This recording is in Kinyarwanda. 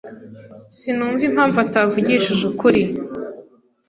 Sinumva impamvu atavugishije ukuri.